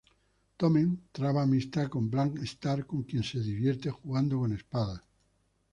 Tommen traba amistad con Bran Stark, con quien se divierte jugando con espadas.